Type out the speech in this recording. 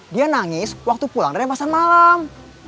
dia nangis waktu pulang dari pasan malam